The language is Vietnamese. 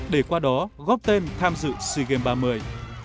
để qua đó góp tên tham dự sea games ba mươi